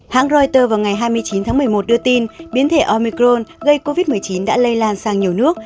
hãng reuters vào ngày hai mươi chín tháng một mươi một đưa tin biến thể omicron gây covid một mươi chín đã lây lan sang nhiều nước